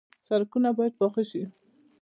سړکونه باید پاخه شي